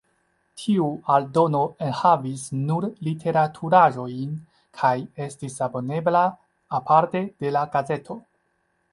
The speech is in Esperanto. Tiu aldono enhavis nur literaturaĵojn kaj estis abonebla aparte de la gazeto.